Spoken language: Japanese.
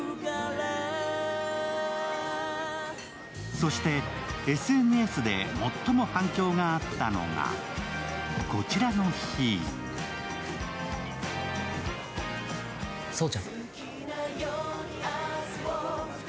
そしてＳＮＳで最も反響があったのがこちらのシーン。